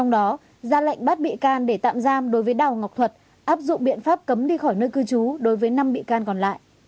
đó ra lệnh bắt bị can để tạm giam đối với đào ngọc thuật áp dụng biện pháp cấm đi khỏi nơi cư trú đối với năm bị can còn lại